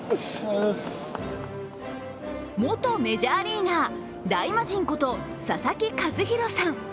元メジャーリーガー、大魔神こと佐々木主浩さん。